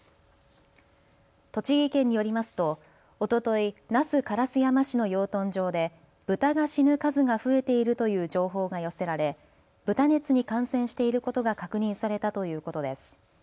栃木県によりますとおととい、那須烏山市の養豚場でブタが死ぬ数が増えているという情報が寄せられ、豚熱に感染していることが確認されたということです。